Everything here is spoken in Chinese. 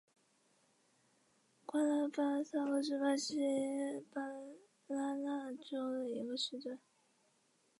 瓜拉克萨巴是巴西巴拉那州的一个市镇。